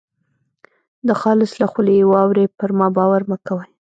د خالص له خولې یې واورۍ پر ما باور مه کوئ.